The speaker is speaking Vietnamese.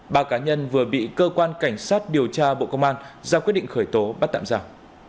ba cá nhân vừa bị cơ quan cảnh sát điều tra bộ công an ra quyết định khởi tố bắt tạm giả